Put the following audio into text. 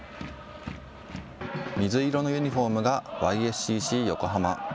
水色のユニフォームがＹＳＣＣ横浜。